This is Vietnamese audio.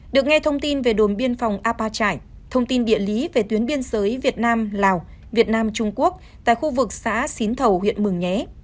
được nghe thông tin về đồn biên phòng a pa chải thông tin địa lý về tuyến biên giới việt nam lào việt nam trung quốc tại khu vực xã xín thầu huyện mừng nhé